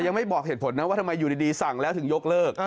ไม่บอกเหตุผลนะว่าทำไมอยู่ดีสั่งแล้วถึงยกเลิก